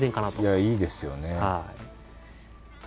いやいいですよね。